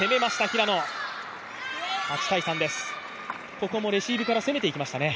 ここもレシーブから攻めていきましたね。